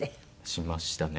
しましたね。